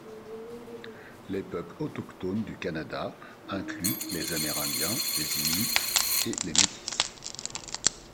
Les peuples autochtones du Canada incluent les Amérindiens, les Inuits et les Métis.